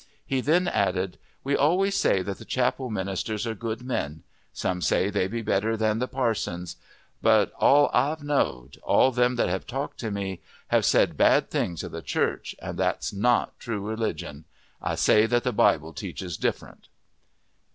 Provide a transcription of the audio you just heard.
He then added: "We always say that the chapel ministers are good men: some say they be better than the parsons; but all I've knowed all them that have talked to me have said bad things of the Church, and that's not true religion: I say that the Bible teaches different."